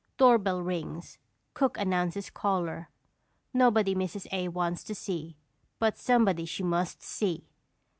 Doorbell rings, cook announces caller; nobody Mrs. A. wants to see, but somebody she MUST see.